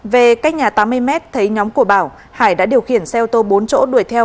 về cách nhà tám mươi mét thấy nhóm của bảo hải đã điều khiển xe ô tô bốn chỗ đuổi theo